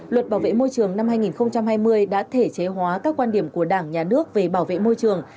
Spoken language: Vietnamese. luật bảo vệ môi trường năm hai nghìn hai mươi đã thể chế hóa các quan điểm của đảng nhà nước về bảo vệ môi trường